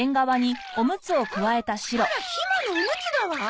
あらひまのおむつだわ。